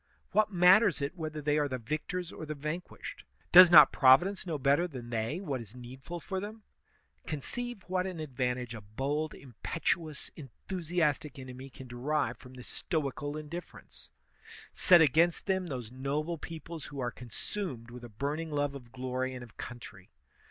What matters it whether they are the victors or the vanquished ? Does not Providence know better than they what is needful for them ? Conceive what an advantage a bold, impetu ous, enthusiastic enemy can derive from this stoical in diflference! Set against them those noble peoples who are consumed with a burning love of glory and of coun try.